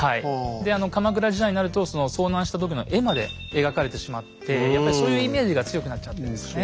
で鎌倉時代になると遭難した時の絵まで描かれてしまってやっぱりそういうイメージが強くなっちゃってるんですね。